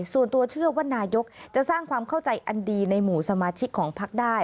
ส่วนตัวเชื่อว่านายกจะสร้างความเข้าใจอันดีในหมู่สมาชิกของพักได้